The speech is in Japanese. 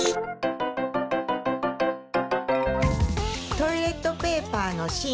トイレットペーパーのしん。